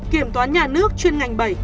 kiểm toán nhà nước chuyên ngành bảy